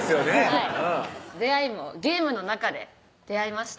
はい出会いもゲームの中で出会いました